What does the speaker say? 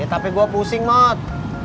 ya tapi gue pusing mot